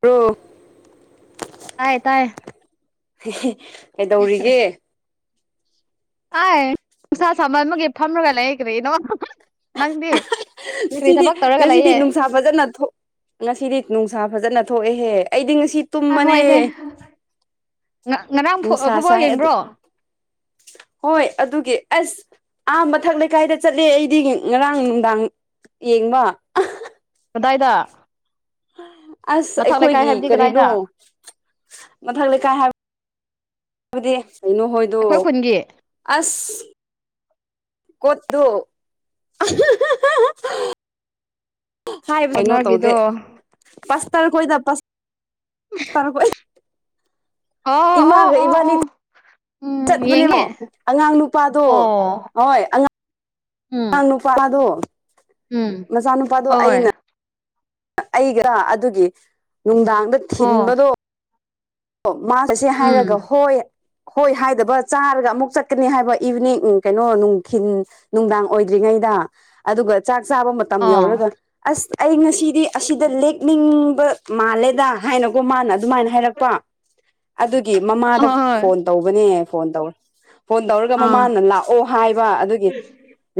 Bro ꯇꯥꯏ ꯇꯥꯏ ꯀꯩꯗꯧꯔꯤꯒꯦ ꯑꯩ ꯅꯨꯡꯁꯥ ꯁꯥꯃꯟꯕꯒꯤ ꯐꯝꯔꯒ ꯂꯩ ꯀꯔꯤꯅ‌ꯣ ꯅꯪꯗꯤ ꯀꯔꯤ ꯉꯁꯤꯗꯤ ꯊꯕꯛ ꯇꯧꯔꯒ ꯉꯁꯤꯗꯤ ꯂꯩꯌꯦ ꯅꯨꯡꯁꯥ ꯐꯖꯅ ꯊꯣꯛ ꯉꯁꯤꯗꯤ ꯅꯨꯡꯁꯥ ꯐꯖꯅ ꯊꯣꯛꯑꯦꯍꯦ ꯑꯩꯗꯤ ꯉꯁꯤ ꯑ ꯇꯨꯕꯅꯦ ꯍꯣꯏꯅꯦ ꯉ ꯉꯔꯥꯡ ꯐꯨ ꯅꯨꯡꯁꯥ ꯐꯨꯠꯕꯣꯜ ꯁꯥꯢ ꯌꯦꯡꯕ꯭ꯔꯣ ꯑꯗꯨꯝ ꯍꯣꯏ ꯑꯗꯨꯒꯤ ꯑꯁ ꯑꯥ ꯃꯊꯛ ꯂꯩꯀꯥꯏꯗ ꯆꯠꯂꯦ ꯑꯩꯗꯤ ꯉꯔꯥꯡ ꯅꯨꯡꯗꯥꯡ ꯌꯦꯡꯕ ꯀꯗꯥꯏꯗ ꯑꯁ ꯃꯊꯛ ꯂꯩꯀꯥꯏ ꯑꯩꯈꯣꯏꯒꯤ ꯍꯥꯏꯕꯗꯤ ꯀꯔꯤꯅꯣ ꯀꯗꯥꯏꯗ ꯃꯊꯛ ꯂꯩꯀꯥꯏ ꯍꯥꯏ ꯕꯗꯤ ꯀꯩꯅꯣ ꯍꯣꯏꯗꯣ ꯑꯩꯈꯣꯏ ꯈꯨꯟꯒꯤ ꯑꯁ ꯀꯣꯠꯇꯣ [unintelligible] ꯍꯥꯏꯕ ꯀꯩꯅꯣ ꯇꯧꯗꯦ ꯀꯣꯅꯔꯒꯤꯗꯣ ꯄꯥꯁꯇꯔ ꯈꯣꯏꯗ ꯄꯥꯁꯇꯔ ꯈꯣꯢꯗ ꯑꯣ ꯑꯣ ꯏꯋꯥꯒ ꯑꯣ ꯏꯕꯥꯅꯤ ꯑꯣ ꯎꯝ ꯌꯦꯡꯉꯦ ꯆꯠꯄꯅꯦꯕꯣ ꯑꯉꯥꯡ ꯅꯨꯄꯥꯗꯣ ꯑꯣ ꯍꯣꯏ ꯑꯉꯥꯡ ꯎꯝ ꯑꯉꯥꯡ ꯅꯨꯄꯥꯗꯣ ꯎꯝ ꯅꯆꯥ ꯅꯨꯨꯄꯥꯗꯣ ꯍꯣꯏ ꯑꯩꯅ ꯑꯩꯒ ꯑꯗꯨꯒꯤ ꯅꯨꯡꯗꯥꯡꯗ ꯑꯣ ꯊꯤꯟꯕꯗꯣ ꯑꯣ ꯋꯥꯒꯁꯦ ꯎꯝ ꯍꯥꯏꯔꯒ ꯍꯣꯏ ꯍꯣꯏ ꯍꯥꯏꯗꯕ ꯆꯥꯔꯒ ꯑꯃꯨꯛ ꯆꯠꯀꯅꯤ ꯍꯥꯏꯕ ꯏꯚꯤꯅꯤꯡ ꯎ ꯀꯩꯅꯣ ꯅꯨꯡꯊꯤꯜ ꯅꯨꯡꯗꯥꯡ ꯑꯣꯏꯗ꯭ꯔꯤꯉꯩꯗ ꯑꯗꯨꯒ ꯆꯥꯛ ꯆꯥꯕ ꯃꯇꯝ ꯃꯇꯝ ꯑꯣ ꯌꯧꯔꯒ ꯑꯁ ꯑꯩ ꯉꯁꯤꯗꯤ ꯑꯁꯤꯗ ꯂꯦꯛꯅꯤꯡꯕ ꯃꯥꯜꯂꯦꯗ ꯍꯥꯏꯅꯀꯣ ꯃꯥꯅ ꯑꯗꯨꯃꯥꯏꯅ ꯍꯥꯏꯔꯛꯄ ꯑꯗꯨꯒꯤ ꯍꯣꯏ ꯃꯃꯥꯗ ꯍꯣꯏ ꯐꯣꯟ ꯇꯧꯕꯅꯦ ꯐꯣꯟ ꯇꯧꯋꯦ ꯐꯣꯟ ꯇꯧꯔꯒ ꯑꯥ ꯃꯃꯥꯅ ꯂꯥꯛꯑꯣ ꯍꯥꯏꯕ ꯑꯗꯨꯒꯤ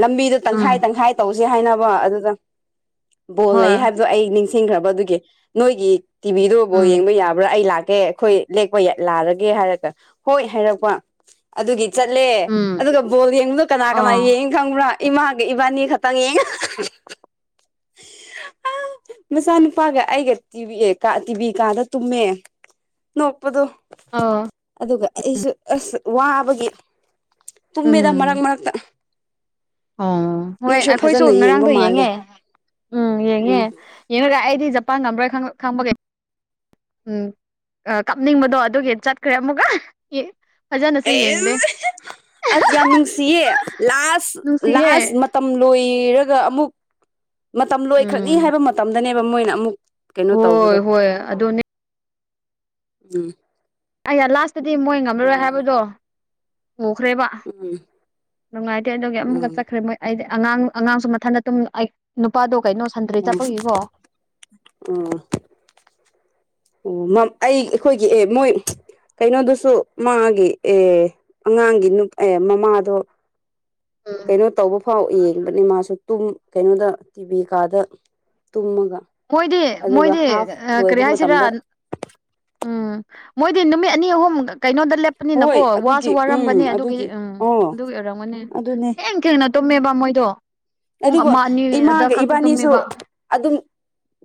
ꯂꯝꯕꯤꯗꯣ ꯎꯝ ꯇꯪꯈꯥꯏ ꯇꯪꯈꯥꯏ ꯇꯧꯁꯦ ꯍꯥꯏꯅꯕ ꯑꯗꯨꯗ [inaudible] ꯕꯣꯜ ꯍꯣꯏ ꯂꯩ ꯍꯥꯏꯕ ꯑꯩ ꯅꯤꯡꯁꯤꯡꯈ꯭ꯔꯕ ꯑꯗꯨꯒꯤ ꯅꯣꯏꯒꯤ ꯇꯤꯚꯤꯗꯨ ꯚꯣꯜ ꯎꯝ ꯌꯦꯡꯕ ꯌꯥꯕ꯭ꯔꯥ ꯑꯩ ꯂꯥꯛꯀꯦ ꯑꯩꯈꯣꯏ ꯂꯦꯛꯄ ꯂꯥꯜꯂꯒꯦ ꯍꯥꯏꯔꯒ ꯍꯣꯏ ꯍꯥꯏꯔꯛꯄ ꯑꯗꯨꯒꯤ ꯆꯠꯂꯦ ꯎꯝ ꯑꯗꯨꯒ ꯕꯣꯜ ꯌꯦꯡꯕꯗꯣ ꯀꯅꯥ ꯀꯅꯥ ꯑꯥ ꯌꯦꯡꯏ ꯈꯪꯕ꯭ꯔꯥ ꯏꯃꯥꯒꯤ ꯏꯕꯥꯅꯤ ꯈꯛꯇꯪ ꯌꯦꯉꯏ ꯃꯆꯥꯅꯨꯄꯥꯒ ꯑꯩꯒ ꯇꯤꯕꯤ ꯑꯦ ꯇꯤꯕꯤ ꯀꯥꯟꯗ ꯇꯨꯝꯃꯦ ꯅꯣꯛꯄꯗꯣ ꯑꯧ ꯑꯗꯨꯒ ꯑꯩꯁꯨ ꯑꯁ ꯋꯥꯕꯒꯤ ꯇꯨꯝꯃꯦꯗ ꯃꯔꯛ ꯃꯔꯛꯇ ꯑꯥ ꯍꯣꯏ ꯅꯣꯏꯁꯨ ꯑꯩꯈꯣꯏꯁꯨ ꯐꯖꯅ ꯌꯦꯡꯕ ꯉꯔꯥꯡꯗꯣ ꯃꯥꯜꯂꯦ ꯌꯦꯡꯉꯦ ꯎꯝ ꯌꯦꯡꯉꯦ ꯌꯦꯡꯉꯒ ꯑꯩꯗꯤ ꯖꯄꯥꯟ ꯉꯝꯕ꯭ꯔ ꯈ ꯈꯪꯕꯒꯦ ꯎꯝ ꯀꯞꯅꯤꯡꯕꯗꯣ ꯑꯗꯨꯒꯤ ꯆꯠꯈ꯭ꯔꯦ ꯑꯃꯨꯛꯀꯥ ꯑꯦꯁ ꯑꯁ ꯌꯥꯝ ꯅꯨꯡꯁꯤꯌꯦ ꯂꯥꯁ ꯂꯥꯁ ꯅꯨꯡꯁꯤꯌꯦ ꯃꯇꯝ ꯂꯣꯏꯔꯒ ꯑꯃꯨꯛ ꯃꯇꯝ ꯂꯣꯏꯈ꯭ꯔꯛꯅꯤ ꯎꯝ ꯍꯥꯏꯕ ꯃꯇꯝꯗꯅꯦꯕ ꯃꯣꯏꯅ ꯑꯃꯨꯛ ꯀꯩꯅꯣ ꯍꯣꯏ ꯇꯧꯕꯗꯣ [inaudible] ꯍꯣꯏ ꯑꯗꯨꯅꯦ ꯑꯩꯅ ꯂꯥꯁꯇꯗꯤ ꯃꯣꯏ ꯉꯝꯃꯔꯣꯏ ꯕꯤꯔꯥꯅꯤ ꯍꯥꯏꯕꯗꯣ ꯎꯈ꯭ꯔꯦꯕ ꯎꯝ ꯅꯨꯡꯉꯥꯏꯇꯦ ꯑꯗꯨꯒꯤ ꯎꯝ ꯑꯃꯨꯛꯀ ꯆꯠꯈ꯭ꯔꯦ ꯃꯣꯏ ꯑꯩꯗꯤ ꯑꯉꯥꯡ ꯑꯉꯥꯡꯁꯨ ꯃꯊꯟꯇ ꯇꯨꯝ ꯑꯩ ꯅꯨꯄꯥꯗꯣ ꯀꯩꯅꯣ ꯁꯟꯇ꯭ꯔꯤ ꯆꯠꯄꯒꯤꯀꯣ [inaudible] [unintelligible] [unintelligible] ꯑꯩ ꯑꯩꯈꯣꯏꯒꯤ ꯑꯦ ꯃꯣꯏ ꯀꯩꯅꯣꯗꯨꯁꯨ ꯃꯥꯒꯤ ꯑꯦ ꯑꯉꯥꯡꯒꯤ ꯅꯨ ꯑꯦ ꯃꯃꯥꯗꯣ ꯎꯝ ꯀꯩꯅꯣ ꯇꯧꯕ ꯐꯥꯎ ꯌꯦꯡꯕꯅꯤ ꯃꯥꯁꯨ ꯇꯨꯝ ꯀꯩꯅꯣꯗ ꯇꯤꯚꯤ ꯀꯥꯗ ꯇꯨꯝꯃꯒ ꯃꯣꯏꯗꯤ ꯑꯗꯨꯒ ꯃꯣꯏꯗꯤ ꯍꯥꯐ ꯑ ꯀꯔꯤ ꯂꯣꯏꯕ ꯍꯥꯏꯁꯤꯔꯥ ꯃꯇꯝꯗ ꯎꯝ ꯃꯣꯏꯗꯤ ꯅꯨꯃꯤꯠ ꯑꯅꯤ ꯑꯍꯨꯝ ꯀꯩꯅꯣꯗ ꯂꯦꯞꯄꯅꯤꯅꯀꯣ ꯍꯣꯏ ꯋꯥꯁꯨ ꯑꯗꯨꯒꯤ ꯋꯥꯔꯝꯒꯅꯤ ꯎꯝ ꯑꯗꯨꯒꯤ ꯎꯝ ꯑꯣ ꯑꯗꯨꯒꯤ ꯑꯣꯏꯔꯝꯒꯅꯤ ꯑꯗꯨꯅꯦ ꯊꯦꯡ ꯊꯦꯡꯅ ꯇꯨꯝꯃꯦꯕ ꯃꯣꯏꯗꯣ ꯄꯨꯡ ꯑꯗꯨꯕꯨ ꯑꯃ ꯑꯅꯤ ꯑꯗ ꯏꯃꯥꯒ ꯈꯛꯇ ꯏꯕꯥꯅꯤꯁꯨ ꯇꯨꯝꯃꯦꯕ ꯑꯗꯨꯝ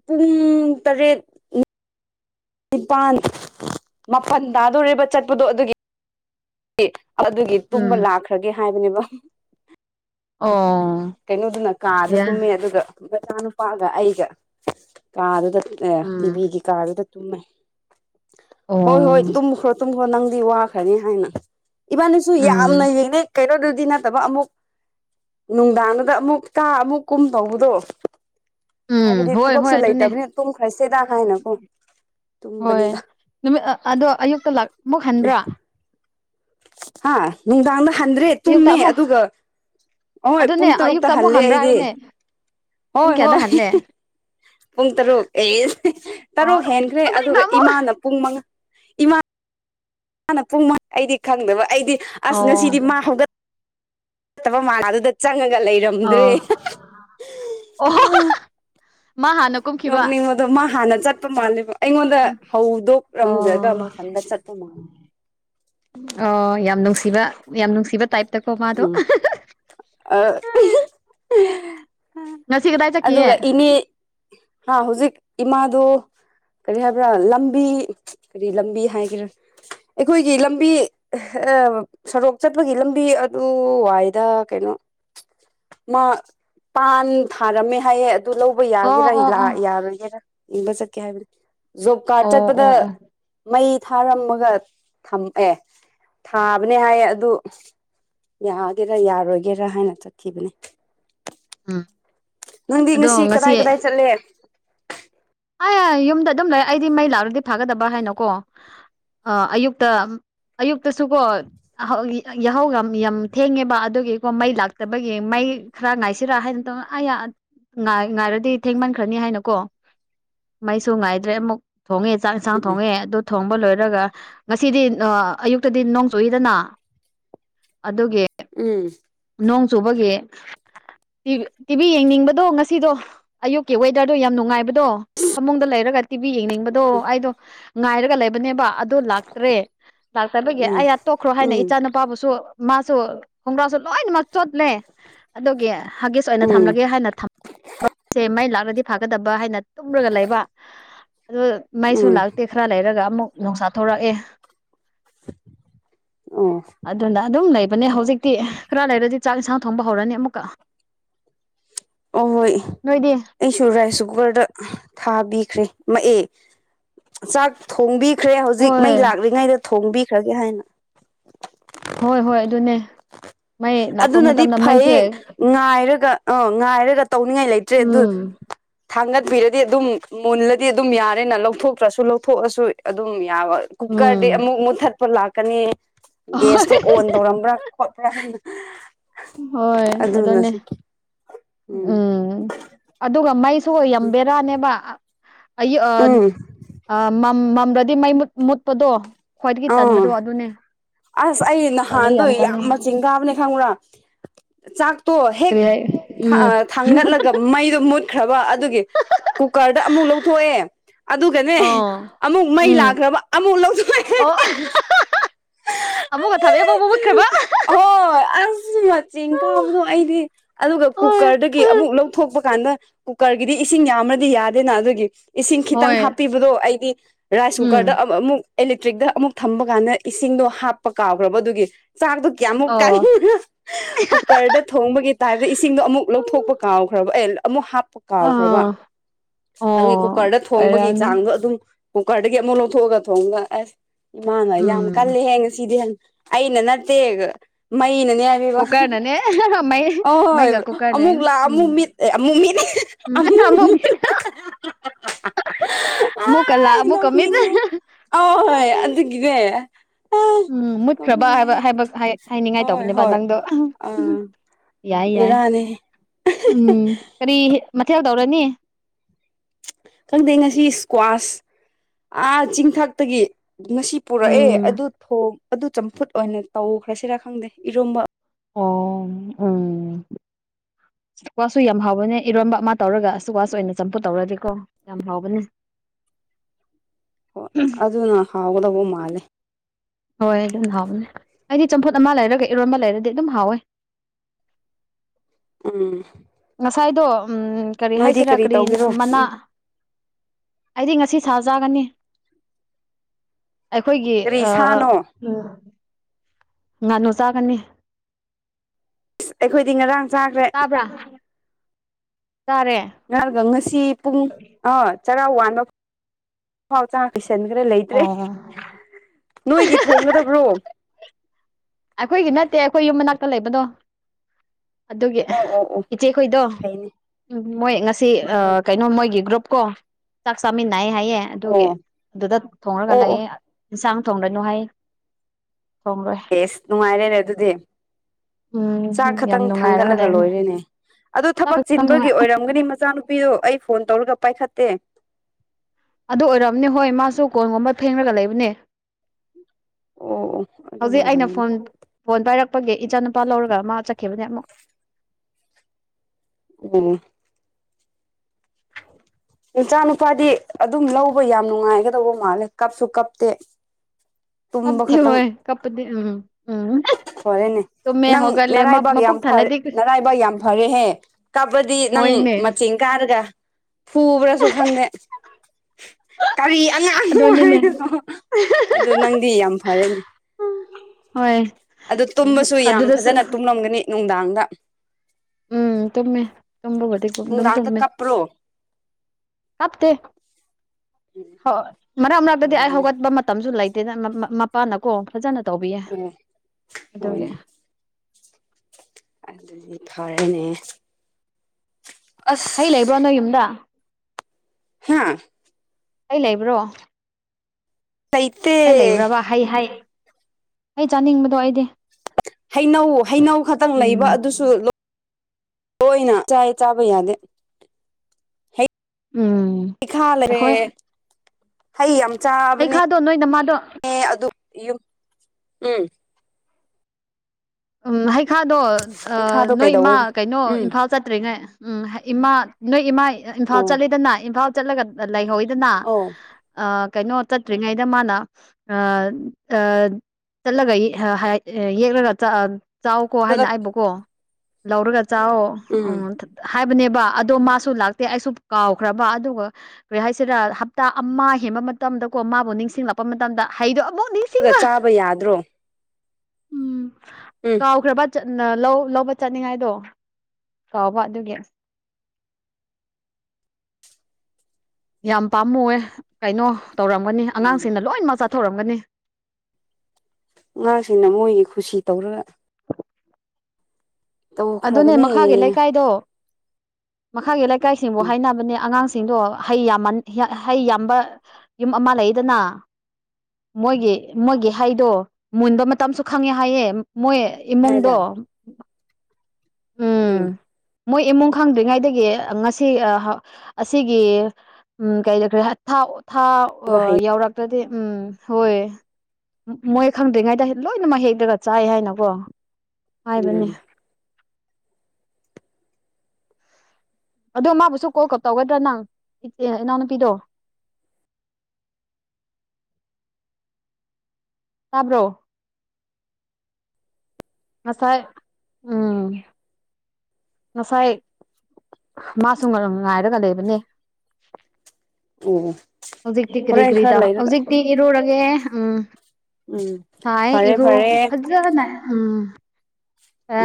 ꯄꯨꯡ ꯇꯔꯦꯠ ꯅꯤꯄꯥꯟ ꯃꯥꯄꯜ ꯇꯥꯗꯣꯔꯦꯕ ꯆꯠꯄꯗꯣ ꯑꯗꯨꯒꯤ ꯑꯦ ꯑꯗꯨꯒꯤ ꯇꯨꯝꯕ ꯎꯝ ꯂꯥꯛꯈ꯭ꯔꯒꯦ ꯍꯥꯏꯕꯅꯦꯕ ꯑꯣ ꯀꯩꯅꯣꯗꯨꯅ ꯀꯥꯗ ꯌꯥ ꯇꯨꯝꯃꯦ ꯑꯗꯨꯒ ꯃꯆꯥꯅꯨꯄꯥꯒ ꯑꯩꯒ ꯀꯥꯗꯨꯗ ꯑꯦ ꯎꯝ ꯇꯤꯚꯤꯒꯤ ꯀꯥꯗꯨꯗ ꯇꯨꯝꯃꯦ ꯑꯣ ꯍꯣꯏ ꯍꯣꯏ ꯇꯨꯝꯈ꯭ꯔꯣ ꯇꯨꯝ ꯅꯪꯗꯤ ꯋꯥꯈ꯭ꯔꯅꯤ ꯍꯥꯏꯅ ꯏꯕꯥꯅꯤꯁꯨ ꯌꯥꯝꯅ ꯎꯝ ꯌꯦꯡꯅꯤ ꯀꯩꯅꯣꯗꯨꯗꯤ ꯅꯠꯇꯕ ꯑꯃꯨꯛ ꯅꯨꯡꯗꯥꯡꯗꯨꯗ ꯑꯃꯨꯛ ꯀꯥ ꯑꯃꯨꯛ ꯀꯨꯝ ꯇꯧꯕꯗꯣ ꯎꯝ ꯍꯥꯏꯕꯗꯤ ꯍꯣꯏ ꯍꯣꯏ ꯊꯕꯛꯁꯨ ꯑꯗꯨꯅꯦ ꯂꯩꯇꯕꯅꯤꯅ ꯇꯣꯝ ꯈꯔ ꯁꯦꯗꯥ ꯍꯥꯏꯅ ꯀꯣ ꯍꯣꯏ ꯅꯨꯃꯤꯠ ꯑꯗꯣ ꯑꯌꯨꯛꯇ ꯂꯥꯛ ꯃꯨꯛ ꯍꯟꯕ꯭ꯔꯥ ꯍꯥ ꯅꯨꯡꯗꯥꯡꯗ ꯍꯟꯗ꯭ꯔꯦ ꯑꯌꯨꯛꯇ ꯇꯨꯝꯃꯦ ꯑꯃꯨꯛ ꯑꯗꯨꯒ ꯑꯍꯣꯏ ꯑꯗꯨꯅꯦ ꯄꯨꯡ ꯇꯔꯨꯛꯇ ꯑꯌꯨꯛꯇ ꯑꯃꯨꯛ ꯍꯜꯂꯦ ꯍꯟꯕ꯭ꯔꯥ ꯑꯩꯗꯤ ꯍꯥꯏꯕꯅꯦ ꯄꯨꯡ ꯍꯣꯏ ꯀꯌꯥꯗ ꯍꯣꯏ ꯍꯜꯂꯦ ꯄꯨꯡ ꯇꯔꯨꯛ ꯑꯦꯁ ꯑꯣ ꯇꯔꯨꯛ ꯍꯦꯟꯈ꯭ꯔꯦ ꯄꯨꯡ ꯇꯔꯦꯠꯇ ꯑꯗꯨꯒ ꯑꯃꯨꯛ ꯏꯃꯥꯅ ꯄꯨꯡ ꯃꯉꯥ ꯏꯃꯥ ꯃꯥꯅ ꯄꯨꯡ ꯑꯩꯗꯤ ꯈꯪꯗꯕ ꯑꯩꯗꯤ ꯑꯁ ꯑꯣ ꯉꯁꯤꯗꯤ ꯃꯥ ꯍꯧꯒꯠ ꯇꯕ [unintelligible] ꯗꯨꯗ ꯆꯪꯉꯒ ꯂꯩꯔꯝꯗ꯭ꯔꯦ ꯑꯣ ꯑ ꯑꯣ ꯃꯥ ꯍꯥꯟꯅ ꯀꯨꯝꯈꯤꯕ ꯗꯣ ꯃꯥ ꯍꯥꯟꯅ ꯆꯠꯄ ꯃꯥꯜꯂꯦꯕ ꯑꯩꯉꯣꯟꯗ ꯑꯣ ꯍꯧꯗꯣꯛꯔꯝꯗ꯭ꯔꯒ ꯃꯊꯟꯗ ꯆꯠꯄ ꯃꯥꯜꯂꯦ ꯑꯣ ꯌꯥꯝ ꯅꯨꯡꯁꯤꯕ ꯌꯥꯝ ꯅꯨꯡꯁꯤꯕ ꯇꯥꯏꯞꯇꯀꯣ ꯃꯥꯗꯣ ꯑ ꯉꯁꯤ ꯀꯗꯥꯏ ꯆꯠꯈꯤꯌꯦ ꯑꯗꯨꯒ ꯏꯅꯦ ꯍꯥ ꯍꯧꯖꯤꯛ ꯏꯃꯥꯗꯨ ꯀꯔꯤ ꯍꯥꯏꯕ꯭ꯔꯥ ꯂꯝꯕꯤ ꯀꯔꯤ ꯂꯝꯕꯤ ꯍꯥꯏꯒꯦꯔꯥ ꯑꯩꯈꯣꯏꯒꯤ ꯂꯝꯕꯤ ꯁꯣꯔꯣꯛ ꯆꯠꯄꯒꯤ ꯂꯝꯕꯤ ꯑꯗꯨ ꯋꯥꯏꯗ ꯀꯩꯅꯣ ꯃꯥ ꯄꯥꯟ ꯊꯥꯔꯝꯃꯦ ꯍꯥꯏꯌꯦ ꯑꯗꯨ ꯂꯧ ꯑꯣ ꯌꯥꯒꯦꯔꯥ ꯑꯣ ꯑꯣ ꯌꯥꯔꯣꯏꯒꯦꯔꯥ ꯌꯦꯡꯕ ꯆꯠꯀꯦ ꯍꯥꯏꯕꯅꯤ ꯖꯣꯕ ꯀꯥꯔꯗ ꯑꯣ ꯆꯠꯄꯗ ꯑꯣ ꯑꯣ ꯃꯩ ꯊꯥꯔꯝꯃꯒ ꯊꯝ ꯑꯦ ꯊꯥꯕꯅꯦ ꯍꯥꯏꯌꯦ ꯑꯗꯨ ꯌꯥꯒꯦꯔꯥ ꯌꯥꯔꯣꯏꯒꯦꯔꯥ ꯍꯥꯏꯅ ꯆꯠꯈꯤꯕꯅꯤ ꯎꯝ ꯅꯪꯗꯤ ꯑꯗꯣ ꯉꯁꯤ ꯀꯗꯥꯏ ꯀꯗꯥꯏ ꯆꯠꯂꯦ ꯑ ꯌꯨꯝꯗ ꯑꯗꯨꯝ ꯂꯩ ꯑꯩꯗꯤ ꯃꯩ ꯂꯥꯛꯂꯗꯤ ꯐꯥꯒꯗꯕ ꯍꯥꯏꯅꯀꯣ ꯑꯥ ꯑꯌꯨꯛꯇ ꯑꯌꯨꯛꯇꯁꯨꯨꯀꯣ [unintelligible] ꯌꯥꯍꯧ ꯌꯥꯝ ꯌꯥꯝ ꯊꯦꯡꯉꯦꯕ ꯑꯗꯨꯒꯤꯀꯣ ꯃꯩ ꯂꯥꯛꯇꯕꯒꯤ ꯃꯩ ꯈꯔ ꯉꯥꯏꯁꯤꯔꯥ ꯍꯥꯏꯅ ꯇꯧ ꯑꯌꯥ ꯉꯥꯏ ꯉꯥꯏꯔꯗꯤ ꯊꯦꯡꯃꯟꯈ꯭ꯔꯅꯤ ꯍꯥꯏꯅꯀꯣ ꯃꯩꯁꯨ ꯉꯥꯏꯗ꯭ꯔꯦ ꯑꯃꯨꯛ ꯊꯣꯡꯉꯦ ꯆꯥꯛ ꯑꯦꯟꯁꯥꯡ ꯎꯝ ꯊꯣꯡꯉꯦ ꯑꯗꯨ ꯊꯣꯡꯕ ꯂꯣꯏꯔꯒ ꯉꯁꯤꯗꯤ ꯑꯥ ꯑꯌꯨꯛꯇꯗꯤ ꯅꯣꯡ ꯆꯨꯏꯗꯅ ꯑꯗꯨꯒꯤ ꯎꯝ ꯅꯣꯡ ꯆꯨꯕꯒꯤ ꯇꯤꯚꯤ ꯇꯤꯚꯤ ꯌꯦꯡꯅꯤꯡꯕꯗꯣ ꯉꯁꯤꯗꯣ ꯑꯌꯨꯛꯀꯤ ꯋꯦꯗꯔꯗꯣ ꯌꯥꯝ ꯅꯨꯡꯉꯥꯏꯕ ꯗꯣ ꯐꯃꯨꯡꯗ ꯂꯩꯔꯒ ꯇꯤꯚꯤ ꯌꯦꯡꯅꯤꯡꯕꯗꯣ ꯑꯩꯗꯣ ꯉꯥꯏꯔꯒ ꯂꯩꯕꯅꯦꯕ ꯗꯨ ꯂꯥꯛꯇ꯭ꯔꯦ ꯂꯥꯛꯇꯕꯒꯤ ꯎꯝ ꯑꯩꯌꯥ ꯇꯣꯛꯈ꯭ꯔꯣ ꯍꯥꯏꯅ ꯏꯆꯥ ꯅꯨꯨꯄꯥꯕꯨꯁꯨ ꯃꯥꯁꯨ ꯈꯣꯡꯒ꯭ꯔꯥꯎꯁꯨ ꯂꯣꯏꯅꯃꯛ ꯆꯣꯠꯂꯦ ꯑꯗꯨꯒꯤ ꯍꯥꯒꯤꯁ ꯑꯣꯏꯅ ꯎꯝ ꯎꯝ ꯊꯝꯂꯒꯦ ꯍꯥꯏꯅ ꯊꯝ ꯃꯩ ꯂꯥꯛꯂꯗꯤ ꯐꯥꯒꯗꯕ ꯍꯥꯏꯅ ꯇꯨꯝꯔꯒ ꯂꯩꯕ ꯑꯗꯨ ꯃꯩꯁꯨ ꯎꯝ ꯂꯥꯛꯇꯦ ꯈꯔ ꯂꯩꯔꯒ ꯑꯃꯨꯛ ꯅꯨꯡꯁꯥ ꯊꯣꯔꯛꯑꯦ ꯎꯝ ꯑꯗꯨꯅ ꯑꯗꯨꯝ ꯂꯩꯕꯅꯦ ꯍꯧꯖꯤꯛꯇꯤ ꯈꯔ ꯂꯩꯔꯗꯤ ꯆꯥꯛ ꯏꯟꯁꯥꯡ ꯊꯣꯡꯕ ꯍꯧꯔꯅꯤ ꯑꯃꯨꯛꯀ ꯑꯍꯣꯏ ꯅꯣꯏꯗꯤ ꯑꯩꯁꯨ ꯔꯥꯏꯁ ꯀꯨꯀꯔꯗ ꯊꯥꯕꯤꯈ꯭ꯔꯦ ꯃꯑꯦ ꯆꯥꯛ ꯊꯣꯡꯕꯤ ꯈ꯭ꯔꯦ ꯍꯧꯖꯤꯛ ꯃꯩ ꯍꯣꯏ ꯂꯥꯛꯂꯤꯉꯩꯗ ꯊꯣꯡꯕꯤꯈ꯭ꯔꯒꯦ ꯍꯥꯏꯅ ꯍꯣꯏ ꯍꯣꯏ ꯑꯗꯨꯅꯦ ꯃꯩ ꯂꯥꯛꯄ ꯑꯗꯨꯅꯗꯤ ꯃꯇꯝꯗ ꯐꯩꯌꯦ ꯃꯩꯁꯦ ꯉꯥꯏꯔꯒ ꯑ ꯉꯥꯏꯔꯒ ꯇꯧꯅꯤꯡꯉꯥꯏ ꯂꯩꯇ꯭ꯔꯦ ꯑꯗꯨ ꯎꯝ ꯊꯥꯡꯒꯠꯄꯤꯔꯗꯤ ꯑꯗꯨꯝ ꯃꯨꯜꯂꯗꯤ ꯑꯗꯨꯝ ꯌꯥꯔꯦꯅ ꯂꯧꯊꯣꯛꯇ꯭ꯔꯁꯨ ꯂꯧꯊꯣꯛꯑꯁꯨ ꯑꯗꯨꯝ ꯌꯥꯕ ꯀꯨꯀꯔꯗꯤ ꯎꯝ ꯑꯃꯨꯛ ꯃꯨꯠꯊꯠꯄ ꯂꯥꯛꯀꯅꯤ ꯒ꯭ꯁꯇꯣ ꯑꯣꯟ ꯇꯧꯔꯝꯕ꯭ꯔꯥ ꯈꯣꯠꯄ꯭ꯔꯥ ꯍꯥꯏꯅ ꯍꯣꯏ ꯑꯗꯨꯅꯦ ꯑꯗꯨꯅꯁꯨ ꯎꯝ ꯑꯗꯨꯒ ꯃꯩꯁꯨ ꯌꯥꯝ ꯕꯦꯔꯥꯅꯦꯕ ꯑꯌꯨꯛ ꯑꯥ ꯎꯝ ꯝ ꯃꯝꯔꯗꯤ ꯃꯩ ꯃꯨꯠ ꯃꯨꯠꯄꯗꯣ ꯑꯗꯨꯒꯤ ꯑꯥ ꯇꯟꯕꯗꯣ ꯑꯗꯨꯅꯦ ꯑꯁ ꯑꯩ ꯇꯜꯂꯦ ꯅꯍꯥꯟꯗꯣ ꯌꯥꯝ ꯇꯜꯂꯦ ꯃꯆꯤꯟ ꯀꯥꯕꯅꯦ ꯈꯪꯕ꯭ꯔꯥ ꯆꯥꯥꯛ ꯇꯣ ꯍꯦꯛ ꯀꯔꯤ ꯍꯥꯏ ꯎꯝ ꯊꯥꯡꯒꯠꯂꯒ ꯃꯩꯗꯣ ꯃꯨꯠꯈ꯭ꯔꯕ ꯑꯗꯨꯒꯤ ꯀꯨꯀꯔꯗ ꯑꯃꯨꯛ ꯂꯧꯊꯣꯛꯑꯦ ꯑꯗꯨꯒꯅꯦ ꯑꯣ ꯑꯃꯨꯛ ꯃꯩ ꯎꯝ ꯂꯥꯛꯈ꯭ꯔꯕ ꯑꯃꯨꯛ ꯂꯧꯊꯣꯛꯑꯦ ꯑꯣ ꯑꯃꯨꯛꯒ ꯊꯥꯝꯃꯦ ꯑꯃꯨꯛꯒ ꯃꯨꯠꯈ꯭ꯔꯕ ꯃꯆꯤꯡꯀꯥꯕꯗꯣ ꯑꯩꯗꯤ ꯑꯗꯨꯒ ꯍꯣꯏ ꯀꯨꯀꯔꯗꯒꯤ ꯑꯃꯨꯛ ꯂꯧꯊꯣꯛꯄ ꯀꯥꯟꯗ ꯀꯨꯀꯔꯒꯤꯗꯤ ꯏꯁꯤꯡ ꯌꯥꯝ꯭ꯔꯗꯤ ꯌꯥꯗꯦꯅ ꯑꯗꯨꯒꯤ ꯏꯁꯤꯡ ꯈꯤꯇꯪ ꯍꯣꯏ. ꯍꯥꯞꯄꯤꯕꯗꯣ ꯑꯩꯗꯤ ꯔꯥꯏꯁ ꯎꯝ ꯀꯨꯀꯔꯗ ꯑꯃꯨꯛ ꯏꯂꯦꯛꯇ꯭ꯔꯤꯛꯇ ꯑꯃꯨꯛ ꯊꯝꯕ ꯀꯥꯟꯗ ꯏꯁꯤꯡꯗꯣ ꯍꯥꯞꯄ ꯀꯥꯎꯈ꯭ꯔꯕ ꯑꯗꯨꯒꯤ ꯆꯥꯛꯇꯣ ꯀꯌꯥꯃꯨꯛ ꯑꯣ ꯀꯥꯜꯕ꯭ꯔꯥ ꯀꯨꯀꯔꯗ ꯊꯣꯡꯕꯒꯤ ꯇ ꯍꯥꯏꯕꯗ ꯏꯁꯤꯡꯗꯣ ꯑꯃꯨꯛ ꯂꯧꯊꯣꯛꯄ ꯀꯥꯎꯈ꯭ꯔꯕ ꯑꯦ ꯑꯃꯨꯛ ꯍꯥꯞꯄ ꯀꯥꯎꯈ꯭ꯔꯕ ꯑꯥ ꯑꯗꯨꯒꯤ ꯑꯣ ꯀꯨꯀꯔꯗ ꯊꯣꯡꯕꯒꯤ ꯑꯣꯏꯔꯝꯅꯤ ꯆꯥꯡꯗꯣ ꯑꯗꯨꯝ ꯀꯨꯀꯔꯗꯒꯤ ꯑꯃꯨꯛ ꯂꯧꯊꯣꯛꯑꯒ ꯊꯣꯡꯉꯒ ꯑꯁ ꯏꯃꯥꯅ ꯌꯥꯝ ꯎꯝ ꯀꯜꯂꯦꯌꯦ ꯉꯁꯤꯗꯤ ꯑꯩꯅ ꯅꯠꯇꯦ ꯃꯩꯅꯅꯦ ꯀꯨꯀꯔꯅꯅꯦ ꯃꯩ ꯑꯣꯏ ꯃꯩꯒ ꯀꯨꯀꯔꯅꯦ ꯑꯃꯨꯛ ꯂꯥꯛ ꯑꯃꯨꯛ ꯃꯤꯠ ꯑꯃꯨꯛ ꯃꯤꯠꯅꯦ ꯑꯃꯨꯛꯒ ꯃꯤꯠ ꯑꯃꯨꯛꯒ ꯂꯥꯛ ꯑꯃꯨꯛꯒ ꯃꯤꯠ ꯑ ꯍꯣꯏ ꯑꯗꯨꯒꯤꯅꯦ ꯑꯁ ꯎꯝ ꯃꯨꯠꯈ꯭ꯔꯕ ꯅꯣꯛꯅꯤꯡꯉꯦ ꯍꯥꯏꯕ ꯍꯥꯏꯕ ꯍꯥꯏꯅꯤꯡꯉꯥꯏ ꯍꯣꯏ ꯇꯧꯕꯅꯦꯕ ꯍꯣꯏ ꯅꯪꯗꯣ ꯑꯥ ꯌꯥꯏ ꯌꯥꯏ ꯕꯦꯔꯥꯅꯦ ꯎꯝ ꯀꯔꯤ ꯃꯊꯦꯜ ꯇꯧꯔꯅꯤ ꯈꯪꯗꯦ ꯉꯁꯤ ꯏꯁꯀ꯭ꯋꯥꯁ ꯑꯥ ꯆꯤꯡꯊꯛꯇꯒꯤ ꯉꯁꯤ ꯄꯨꯔꯛꯑꯦ ꯑꯣ ꯑꯗꯨ ꯊꯣꯡ ꯑꯗꯨ ꯆꯝꯐꯨꯠ ꯑꯣꯏꯅ ꯇꯧꯈ꯭ꯔꯁꯤꯔꯥ ꯈꯪꯗꯦ ꯏꯔꯣꯝꯕ ꯑꯣ ꯎꯝ ꯢꯋꯥꯁꯁꯨ ꯌꯥꯝ ꯍꯥꯎꯕꯅꯦ ꯏꯔꯣꯟꯝꯕ ꯑꯃ ꯇꯧꯔꯒ ꯢꯋꯥꯁ ꯑꯣꯏꯅ ꯆꯝꯐꯨꯠ ꯇꯧꯔꯗꯤꯀꯣ ꯌꯥꯝ ꯍꯥꯎꯕꯅꯦ ꯍꯣꯢ ꯑꯗꯨꯅ ꯍꯥꯎꯒꯗꯧꯕ ꯃꯥꯜꯂꯦ ꯍꯣꯏ ꯑꯗꯨꯝ ꯍꯥꯎꯕꯅꯦ ꯑꯩꯗꯤ ꯆꯝꯐꯨꯠ ꯑꯃ ꯂꯩꯔꯒ ꯏꯔꯣꯟꯕ ꯂꯩꯔꯗꯤ ꯑꯗꯨꯝ ꯍꯥꯎꯋꯦ ꯎꯝ ꯉꯁꯥꯏꯗꯣ ꯎꯝ ꯀꯔꯤ ꯅꯣꯏꯗꯤ ꯍꯥꯏꯁꯤꯔꯥ ꯀꯔꯤ ꯇꯧꯒꯦꯔꯣ ꯃꯅꯥ ꯑꯩꯗꯤ ꯉꯁꯤ ꯁꯥ ꯆꯥꯒꯅꯤ ꯑꯩꯈꯣꯏꯒꯤ ꯀꯔꯤ ꯑꯥ ꯁꯥꯅꯣ ꯉꯥꯅꯨ ꯆꯥꯒꯅꯤ ꯏꯁꯁ ꯑꯩꯈꯣꯏꯗꯤ ꯉꯔꯥꯡ ꯆꯥꯈ꯭ꯔꯦ ꯆꯥꯔꯦ [unintelligible] ꯉꯁꯤ ꯄꯨꯡ ꯑ ꯆꯔꯥ ꯋꯥꯟꯕ ꯆꯥꯎ ꯆꯥꯛ ꯂꯣꯢꯁꯟꯈ꯭ꯔꯦ ꯂꯩꯇ꯭ꯔꯦ ꯑꯣ ꯅꯣꯏꯒꯤ ꯊꯣꯡꯒꯗꯕ꯭ꯔꯣ ꯑꯩꯈꯣꯏꯒꯤ ꯅꯠꯇꯦ ꯑꯩꯈꯣꯏ ꯌꯨꯝ ꯃꯅꯥꯛꯇ ꯂꯩꯕꯗꯣ ꯑꯗꯨꯒꯤ ꯑꯣ ꯑꯣ ꯑꯣ ꯏꯆꯦꯈꯣꯏꯗꯣ ꯐꯩꯅꯦ ꯎꯝ ꯃꯣꯏ ꯉꯁꯤ ꯍꯣꯏ ꯍꯣꯏ ꯀꯩꯅꯣ ꯃꯣꯏꯒꯤ ꯒ꯭ꯔꯨꯞ ꯀꯣ ꯆꯥꯛ ꯆꯥꯃꯤꯟꯅꯩ ꯍꯥꯏꯌꯦ ꯑꯣ ꯑꯗꯨꯒꯤ ꯑꯣ ꯑꯗꯨꯗ ꯊꯣꯡꯉꯒ ꯑꯣ ꯑꯩꯌꯦ ꯌꯦꯟꯁꯥꯡ ꯊꯣꯡꯂꯅꯨ ꯍꯥꯏꯌꯦ ꯊꯣꯡꯂꯣꯢ ꯢꯁ ꯅꯨꯡꯉꯥꯏꯔꯦꯅꯦ ꯑꯗꯨꯗꯤ ꯆꯥꯛ ꯎꯝ ꯌꯥꯝ ꯈꯥꯇꯪ ꯅꯨꯡꯉꯥꯏꯔꯒ ꯊꯥꯡꯒꯠꯂꯒ ꯂꯩꯕꯅꯤ ꯂꯣꯏꯔꯦꯅꯦ ꯑꯗꯣ ꯆꯥꯛ ꯊꯕꯛ ꯈꯛꯇꯪ ꯊꯣꯡꯉꯦ ꯆꯤꯟꯕꯒꯤ ꯑꯣꯏꯔꯝꯒꯅꯤ ꯃꯆꯥꯅꯨꯄꯤ ꯄꯤꯗꯣ ꯑꯩ ꯐꯣꯟ ꯇꯧꯔꯒ ꯄꯥꯏꯈꯠꯇꯦ ꯑꯗꯨ ꯑꯣꯏꯔꯝꯅꯦ ꯍꯣꯏ ꯃꯥꯁꯨ ꯀꯣꯟꯒꯨꯝꯕ ꯐꯦꯡꯂꯒ ꯂꯩꯕꯅꯦ ꯑꯣ ꯑꯣ ꯑꯗꯨꯒꯤ ꯍꯧꯖꯤꯛ ꯑꯩꯅ ꯑꯣꯏꯔꯝꯒꯅꯤ ꯐꯣꯟ ꯐꯣꯟ ꯄꯥꯏꯔꯛꯄꯒꯤ ꯏꯆꯥ ꯅꯨꯄꯥ ꯂꯧꯔꯒ ꯃꯥ ꯆꯠꯈꯤꯕꯅꯦ ꯑꯃꯨꯛ ꯑꯣ ꯅꯆꯥ ꯅꯨꯄꯥꯗꯤ ꯑꯗꯨꯝ ꯂꯧꯕ ꯌꯥꯝ ꯅꯨꯡꯉꯥꯏꯒꯗꯧꯕ ꯃꯥꯜꯂꯦ ꯀꯞꯁꯨ ꯀꯞꯇꯦ ꯇꯨꯝꯕ ꯀꯞꯇꯦ ꯈꯛꯇꯪ ꯍꯣꯏ ꯀꯞꯄꯗꯤ ꯎꯝ ꯎꯝ ꯐꯔꯦꯅꯦ ꯇꯨꯝꯃꯦ ꯅꯪ ꯍꯧꯒꯠꯂꯦ ꯃꯥ ꯅꯔꯥꯏꯕꯥꯛ ꯌꯥꯝ ꯃꯄꯨꯛ ꯐꯔꯦ ꯊꯜꯂꯗꯤ ꯅꯔꯥꯏꯕꯥꯛ ꯌꯥꯝ ꯐꯔꯦꯍꯦ ꯀꯞꯄꯗꯤ ꯅꯪ ꯍꯣꯏꯅꯦ ꯃꯆꯤꯡ ꯀꯔꯒ ꯐꯨꯕ꯭ꯔꯥꯁꯨ ꯈꯪꯗꯦ ꯀꯔꯤ ꯑꯉꯥꯡꯅꯣ ꯑꯗꯨꯅꯤꯅꯦ ꯍꯥꯏꯔꯒ ꯑꯗꯣ ꯅꯪꯗꯤ ꯌꯥꯝ ꯐꯔꯦꯅꯦ ꯍꯣꯏ ꯑꯗꯨ ꯇꯨꯝꯕꯁꯨ ꯌꯥꯝ ꯑꯗꯨꯗꯁꯨ ꯐꯖꯅ ꯇꯨꯝꯂꯝꯒꯅꯤ ꯅꯨꯡꯗꯥꯡꯗ ꯎꯝ ꯇꯨꯝꯃꯦ ꯇꯝꯕꯕꯨꯗꯤ ꯑꯗꯨꯝ ꯅꯨꯡꯗꯥꯡꯗ ꯇꯨꯝꯃꯦ ꯀꯞꯄ꯭ꯔꯣ ꯀꯞꯇꯦ ꯍꯣꯏ ꯃꯔꯛ ꯃꯔꯛꯇꯗꯤ ꯑꯩ ꯐꯔꯦꯅꯦ ꯍꯧꯒꯠꯄ ꯃ ꯇꯝꯖꯨ ꯂꯩꯇꯦꯗ ꯃ ꯃ ꯃꯄꯥꯅꯀꯣ ꯐꯖꯅ ꯇꯧꯕꯤꯌꯦ ꯑꯣ ꯑꯗꯨꯒꯤ ꯍꯣꯏꯅꯦ ꯑꯗꯨꯗꯤ ꯐꯔꯦꯅꯦ ꯑꯁ ꯍꯩ ꯂꯩꯕ꯭ꯔꯣ ꯅꯣꯏ ꯌꯨꯝꯗ ꯍꯥꯥ ꯍꯩ ꯂꯩꯕ꯭ꯔꯣ ꯂꯩꯇꯦ ꯍꯩ ꯂꯩꯕ꯭ꯔꯕ ꯍꯩ ꯍꯩ ꯍꯩ ꯆꯥꯅꯤꯡꯕꯗꯣ ꯑꯩꯗꯤ ꯍꯩꯅꯧ ꯍꯩꯅꯧ ꯈꯛꯇꯪ ꯂꯩꯕ ꯎꯝ ꯑꯗꯨꯁꯨ ꯂꯣ ꯂꯣꯏꯅ ꯆꯥꯏ ꯆꯥꯕ ꯌꯥꯗꯦ ꯎꯝ ꯍꯩꯈꯥ ꯑꯩꯈꯣꯏ ꯂꯩꯔꯦ ꯍꯩ ꯌꯥꯝ ꯆꯥꯕꯅꯦ ꯍꯩꯈꯥꯗꯣ ꯅꯣꯏ ꯅꯃꯥꯗꯣ ꯑꯗꯨ ꯌꯨꯝ ꯎꯝ ꯎꯝ ꯍꯩꯈꯥꯗꯣ ꯑꯥ ꯍꯩꯈꯥꯗꯣ ꯅꯣꯏ ꯏꯃꯥ ꯀꯩꯗꯧꯋꯦꯕ ꯀꯩꯅꯣ ꯎꯝ ꯏꯝꯐꯥꯜ ꯆꯠꯇ꯭ꯔꯤꯉꯩ ꯎꯝ ꯍꯩ ꯏꯃꯥ ꯅꯣꯏ ꯏꯃꯥ ꯏꯝꯐꯥꯜ ꯑꯣ ꯆꯠꯂꯤꯗꯅ ꯏꯝꯐꯥꯜ ꯆꯠꯂꯒ ꯂꯩꯍꯧꯋꯤ ꯆꯠ ꯗꯅ ꯑꯧ ꯑꯥ ꯀꯩꯅꯣ ꯆꯠꯇ꯭ꯔꯤꯉꯩꯗ ꯃꯥꯅ ꯑꯥ ꯇꯠ ꯇꯠꯂꯒ ꯍꯥ ꯍꯥ ꯌꯦꯛꯂꯒ ꯆ ꯑ ꯆꯥꯎꯀꯣ ꯑꯗꯨꯗ ꯍꯥꯏꯅ ꯑꯩꯕꯨꯀꯣ ꯂꯧꯔꯒ ꯆꯥꯎꯋꯣ ꯎꯝ ꯍꯥꯏꯕꯅꯦꯕ ꯑꯗꯣ ꯃꯥꯁꯨ ꯂꯥꯛꯇꯦ ꯑꯩꯁꯨ ꯀꯥꯎꯈ꯭ꯔꯕ ꯑꯗꯨꯒ ꯀꯔꯤ ꯍꯥꯏꯁꯤꯔ ꯍꯞꯇꯥ ꯑꯃ ꯍꯦꯟꯕ ꯃꯇꯝꯗꯀꯣ ꯃꯥꯕꯨ ꯅꯤꯡꯁꯤꯡꯂꯛꯄ ꯃꯇꯝꯗ ꯍꯩꯗꯣ ꯑꯃꯨꯛ ꯅꯤꯡ ꯗꯨꯒ ꯆꯥꯕ ꯌꯥꯗ꯭ꯔꯣ ꯎꯝ ꯎꯝ ꯀꯥꯎꯈ꯭ꯔꯕ ꯆꯠ ꯅꯪ ꯂꯧ ꯂꯧꯕ ꯆꯠꯅꯤꯡꯉꯥꯏꯗꯣ ꯀꯥꯎꯕ ꯑꯗꯨꯒꯤ ꯌꯥꯝ ꯄꯥꯝꯃꯨꯋꯦ ꯀꯩꯅꯣ ꯇꯧꯔꯝꯒꯅꯤ ꯎꯝ ꯑꯉꯥꯡꯁꯤꯡꯅ ꯂꯣꯏꯅꯃꯛ ꯆꯥꯥꯊꯣꯔꯝꯒꯅꯤ ꯑꯉꯥꯡꯁꯤꯡꯅ ꯃꯣꯏꯒꯤ ꯈꯨꯁꯤ ꯇꯧꯔꯒ ꯑꯗꯨꯅꯦ ꯇꯧꯈ꯭ꯔꯕꯅꯦ ꯃꯈꯥꯒꯤ ꯂꯩꯀꯥꯏꯗꯣ ꯃꯈꯥꯒꯤ ꯂꯩꯀꯥꯏꯁꯤꯡꯕꯨ ꯍꯥꯏꯅꯕꯅꯦ ꯑꯉꯥꯡꯁꯤ ꯁꯤꯡꯗꯣ ꯍꯩ ꯌꯥꯝꯃꯟ ꯍꯩ ꯌꯥꯝꯕ ꯌꯨꯝ ꯑꯃ ꯂꯩꯗꯅ ꯃꯣꯏꯒꯤ ꯃꯣꯏꯒꯤ ꯍꯩꯗꯣ ꯃꯨꯟꯕ ꯃꯇꯝꯁꯨ ꯈꯪꯉꯦ ꯍꯥꯏꯌꯦ ꯃꯣꯏ ꯏꯃꯨꯡꯗꯣ ꯍꯥꯏꯔ ꯎꯝ ꯃꯣꯏ ꯏꯃꯨꯡ ꯈꯪꯗ꯭ꯔꯤꯉꯩꯗꯒꯤ ꯉꯁꯤ ꯍ ꯑꯁꯤꯒꯤ ꯎꯝ ꯀꯩ ꯂꯩꯈ꯭ꯔꯦ ꯊꯥ ꯊꯥ ꯑꯣ ꯍꯩ ꯌꯥꯎꯔꯛꯇ꯭ꯔꯗꯤ ꯎꯝ ꯍꯣꯏ ꯃꯣꯏ ꯈꯪꯗ꯭ꯔꯤꯉꯩꯗ ꯂꯣꯏꯅꯃꯛ ꯍꯦꯛꯂꯒ ꯆꯥꯏ ꯍꯥꯏꯅꯀꯣ ꯎꯝ ꯍꯥꯏꯕꯅꯦ ꯑꯗꯣ ꯃꯥꯕꯨꯁꯨ ꯀꯣꯜ ꯀ ꯇꯧꯒꯗ꯭ꯔꯥ ꯅꯪ ꯏꯆꯦ ꯏꯅꯥꯎꯅꯨꯄꯤꯗꯣ ꯇꯥꯕ꯭ꯔꯣ ꯉꯁꯥꯏ ꯎꯝ ꯉꯁꯥꯏ ꯃꯥꯁꯨ ꯉ ꯉꯥꯏꯔꯒ ꯂꯩꯕꯅꯦ ꯑꯣ ꯍꯧꯖꯤꯛꯇꯤ ꯀꯔꯤ ꯍꯣꯔꯦꯟ ꯀ꯭ꯔꯤꯗ ꯈꯔ ꯂꯩꯔꯒ ꯍꯧꯖꯤꯛꯇꯤ ꯏꯔꯨꯔꯒꯦ ꯎꯝ ꯎꯝ ꯁꯥꯏ ꯐꯔꯦ ꯏꯔꯨꯌꯣ ꯐꯔꯦ ꯐꯥꯖꯅ ꯎꯝ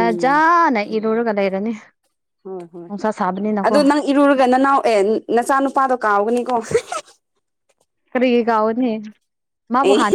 ꯎꯝ ꯏꯔꯨꯔꯒ ꯂꯩꯔꯅꯤ ꯍꯣꯏ ꯍꯣꯏ ꯅꯨꯡꯁꯥ ꯁꯥꯕꯅꯤꯅꯀꯣ ꯑꯗꯣ ꯅꯪ ꯏꯔꯨꯔꯒ ꯅꯅꯥꯎ ꯑꯦ ꯅꯆꯥ ꯅꯨꯨꯄꯥꯗꯣ ꯀꯥꯎꯒꯅꯤꯀꯣ ꯀꯔꯤꯒꯤ ꯀꯥꯎꯒꯅꯤ ꯃꯥꯕꯨꯍꯥꯟ ꯑꯦ